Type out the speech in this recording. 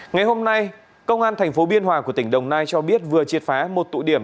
ngày hôm nay công an thành phố biên hòa của tỉnh đồng nai cho biết vừa triệt phá một tụi điểm